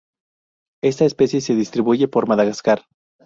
Esta especie se distribuye por Madagascar.